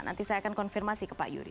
nanti saya akan konfirmasi ke pak yuri